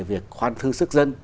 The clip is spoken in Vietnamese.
việc khoan thư sức dân